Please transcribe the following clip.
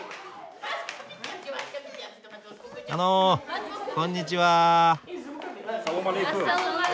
あのこんにちは。